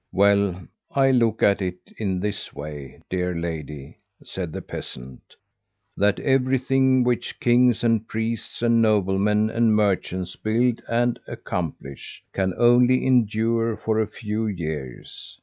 "'Well, I look at it in this way, dear lady,' said the peasant, 'that everything which kings and priests and noblemen and merchants build and accomplish, can only endure for a few years.